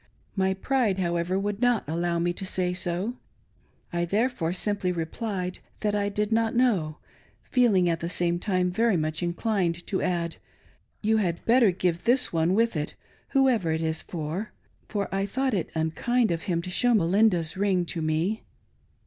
My pride, however, would not allow me to say so. I therefore simply replied that I did not know, feeling, at the same time, very much inclined to add, " You had better give this one with it, whoever it is for ;" for I thought it unkind of him to show Belinda's ring to me.